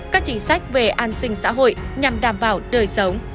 các chính sách về an sinh xã hội nhằm đảm bảo đời sống